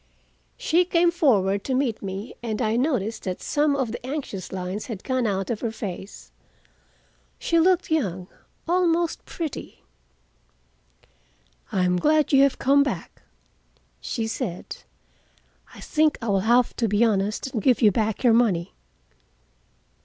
She came forward to meet me, and I noticed that some of the anxious lines had gone out of her face. She looked young, almost pretty. "I am glad you have come back," she said. "I think I will have to be honest and give you back your money."